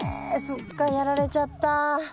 そっかやられちゃった。